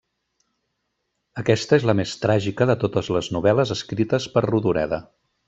Aquesta és la més tràgica de totes les novel·les escrites per Rodoreda.